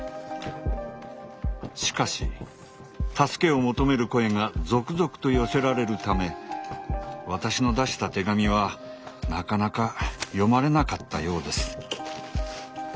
しかし助けを求める声が続々と寄せられるため私の出した手紙はなかなか読まれなかったようです。